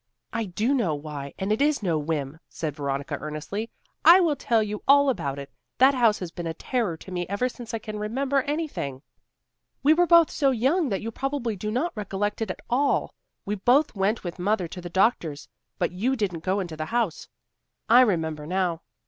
"I do know why; and it is no whim," said Veronica, earnestly. "I will tell you all about it. That house has been a terror to me ever since I can remember anything. We were both so young that you probably do not recollect it at all. We both went with mother to the doctor's, but you didn't go into the house, I remember now.